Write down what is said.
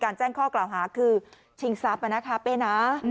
ครับก็เลยต่อเห็น